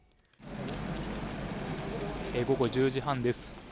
午後１０時半です。